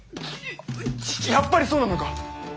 やっぱりそうなのか！